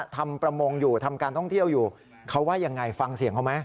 ทำประมงอยู่ทำการท่องเที่ยวอยู่เขาว่ายังไงฟังเสียงเขาไหม